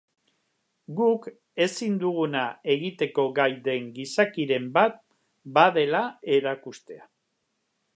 Guk ezin duguna egiteko gai den gizakiren bat badela erakustea.